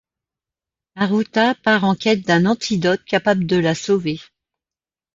Arutha part en quête d’un antidote capable de la sauver.